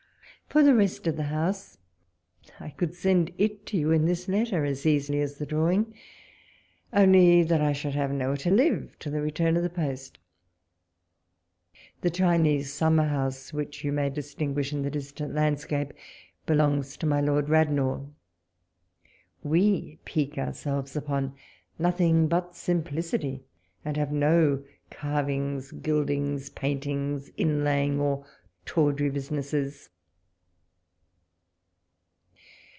For the rest of the house, I could send it to you in this letter as easily as the drawing, only that I should have nowhere to live till the return of the post. The Chinese summer house, which you may distinguish in the distant landscape, belongs to my Lord Radnor. We pique our selves upon nothing but simplicity, and have no carvings, gildings, paintings, inlayings, or taw dry businesses. ... GO walpole's letters.